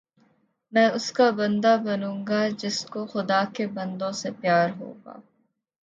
میں اس کا بندہ بنوں گا جس کو خدا کے بندوں سے پیار ہوگا